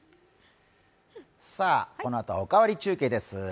このあとはおかわり中継です